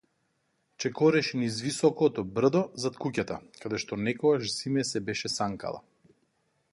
Чекореше низ високото брдо зад куќата, каде што некогаш зиме се беше санкала.